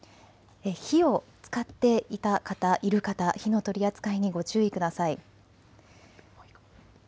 火を使っていた方、いる方、火の取り扱いにご注意ください。